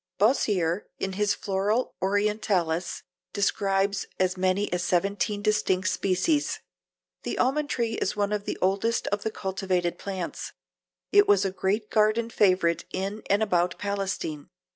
Boissier in his Flora Orientalis describes as many as seventeen distinct species. The almond tree is one of the oldest of the cultivated plants. It was a great garden favorite in and about Palestine.